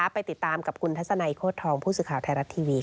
ไปติดตามกับคุณทัศนัยโฆษธองผู้สึกข่าวไทยรัตน์ทีวี